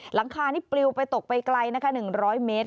หลังคานี่ปลิวไปตกไปไกลนะคะ๑๐๐เมตร